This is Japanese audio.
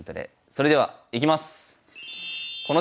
それではいきます。